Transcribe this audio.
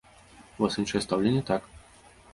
У вас іншае стаўленне, так?